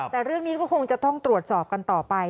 แต่เรื่องนี้ก็คงจะต้องตรวจสอบกันต่อไป